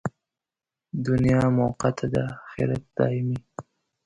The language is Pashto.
دنیا موقته ده، اخرت دایمي.